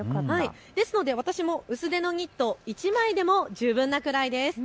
ですので私も薄手のニット１枚でも十分なくらいです。